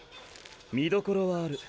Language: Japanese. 見どころはある。